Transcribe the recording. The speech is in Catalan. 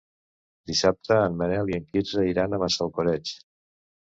Dissabte en Manel i en Quirze iran a Massalcoreig.